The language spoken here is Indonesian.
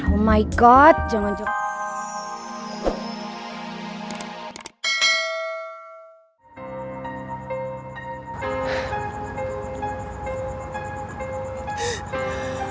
oh my god jangan jangan